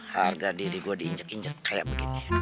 harga diri gue diinjek injek kayak begini